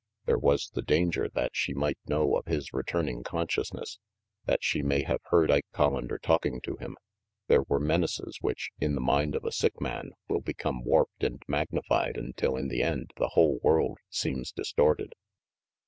There was the danger that she might know of his returning consciousness, that she may have heard Ike (Hollander talking to him; there were menaces which, in the mind of a sick man, will become warped and magnified until in the end the whole world seems distorted.